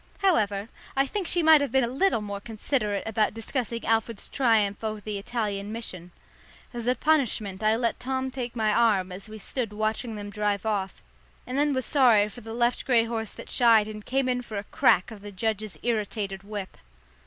However, I think she might have been a little more considerate about discussing Alfred's triumph over the Italian mission. As a punishment I let Tom take my arm as we stood watching them drive off, and then was sorry for the left grey horse that shied and came in for a crack of the judge's irritated whip.